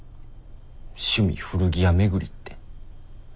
趣味古着屋巡りって。